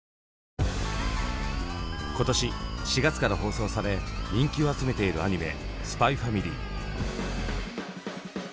今年４月から放送され人気を集めているアニメ「ＳＰＹ×ＦＡＭＩＬＹ」。